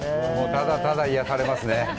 ただただ癒やされますね。